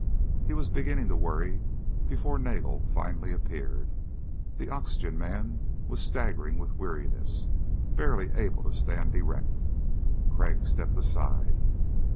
He was beginning to worry before Nagel finally appeared. The oxygen man was staggering with weariness, barely able to stand erect. Crag stepped aside.